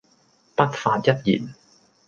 不發一言